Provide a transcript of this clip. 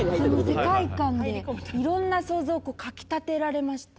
世界観でいろんな想像をかき立てられまして。